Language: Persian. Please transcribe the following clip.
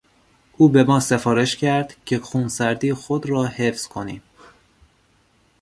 او به ما سفارش کرد که خونسردی خود را حفظ کنیم.